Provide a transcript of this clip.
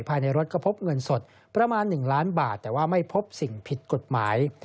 ภายในรถก็พบเงินสดประมาณ๑ล้านบาทแต่ว่าไม่พบสิ่งผิดกฎหมาย